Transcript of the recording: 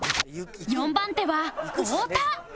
４番手は太田